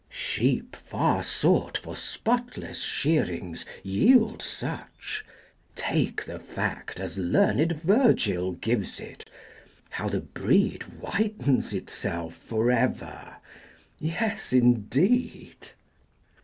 Sheep far sought For spotless shearings yield such: take the fact As learned Virgil gives it, how the breed Whitens itself forever: yes, indeed!